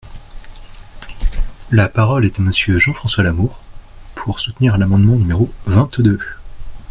La parole est à Monsieur Jean-François Lamour, pour soutenir l’amendement numéro vingt-deux.